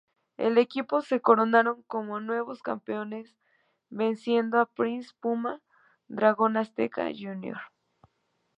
El equipo se coronaron como nuevos campeones venciendo a Prince Puma, Dragón Azteca Jr.